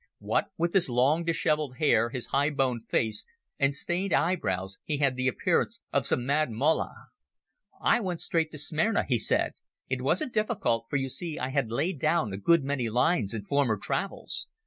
What with his long dishevelled hair, his high boned face, and stained eyebrows he had the appearance of some mad mullah. "I went straight to Smyrna," he said. "It wasn't difficult, for you see I had laid down a good many lines in former travels.